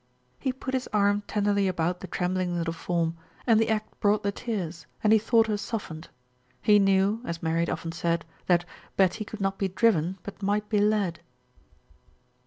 He put his arm tenderly about the trembling little form, and the act brought the tears and he thought her softened. He knew, as Mary had often said, that "Betty could not be driven, but might be led."